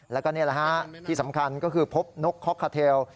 แล้วก็นี่แหละฮะที่สำคัญก็คือพบนกค็อกคาเทล